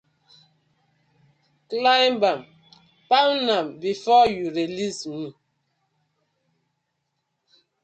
Climb am, pound am befor yu release am.